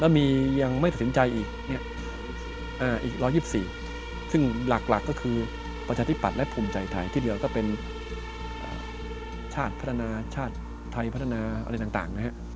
แล้วมียังไม่ตัดสินใจอีก๑๒๔ซึ่งหลักก็คือประชาธิปัตย์และภูมิใจไทยที่เหลือก็เป็นชาติพัฒนาชาติไทยพัฒนาอะไรต่างนะฮะ